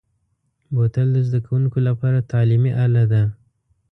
بوتل د زده کوونکو لپاره تعلیمي اله ده.